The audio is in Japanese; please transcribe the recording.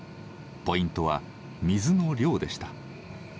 ポイントは水の量でした。